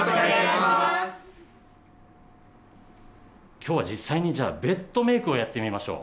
今日は実際にじゃあベッドメークをやってみましょう。